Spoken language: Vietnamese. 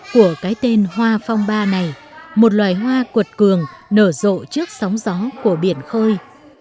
của cái tên hoa phong ba này một loài hoa cuột cường nở rộ trước sóng gió của biển khơi